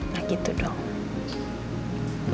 gak gitu dong